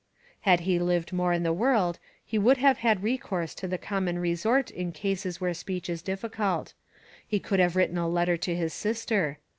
Had he lived more in the world, he would have had recourse to the common resort in cases where speech is difficult; he would have written a letter to his sister.